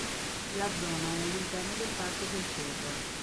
La zona è all'interno del Parco del Torre.